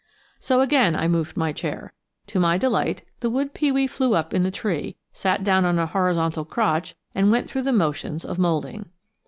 So again I moved my chair. To my delight the wood pewee flew up in the tree, sat down on a horizontal crotch, and went through the motions of moulding.